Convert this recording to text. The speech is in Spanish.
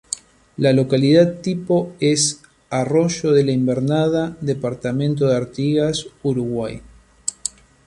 La localidad tipo es: ‘’Arroyo de la Invernada, departamento de Artigas, Uruguay’’.